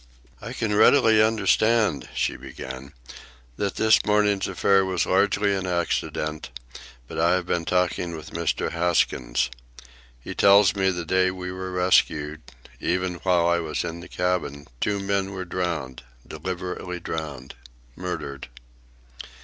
"I can readily understand," she began, "that this morning's affair was largely an accident; but I have been talking with Mr. Haskins. He tells me that the day we were rescued, even while I was in the cabin, two men were drowned, deliberately drowned—murdered."